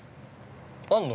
あんの？